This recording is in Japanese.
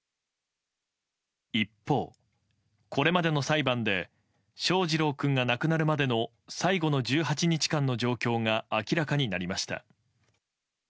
一方、これまでの裁判で翔士郎君が亡くなるまでの最後の１８日間の状況が明らかになりました。